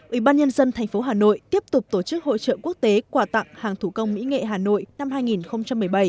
ủy ban nhân dân tp hà nội tiếp tục tổ chức hội trợ quốc tế quà tặng hàng thủ công mỹ nghệ hà nội năm hai nghìn một mươi bảy